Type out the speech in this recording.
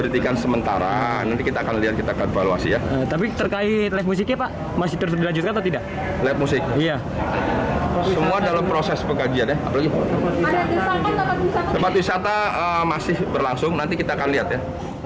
tempat wisata masih berlangsung nanti kita akan lihat ya